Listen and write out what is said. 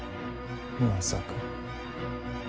⁉まさか。